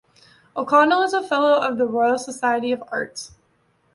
O'Connell is a Fellow of the Royal Society of Arts.